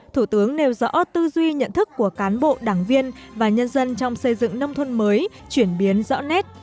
thủ tướng nêu rõ tư duy nhận thức của cán bộ đảng viên và nhân dân trong xây dựng nông thôn mới chuyển biến rõ nét